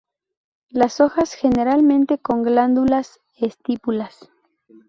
Las hojas generalmente con glándulas; estípulas.